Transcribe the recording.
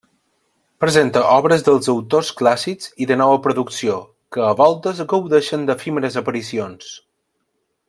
Presenta obres dels autors clàssics i de nova producció que a voltes gaudeixen d'efímeres aparicions.